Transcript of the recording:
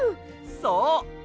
そう！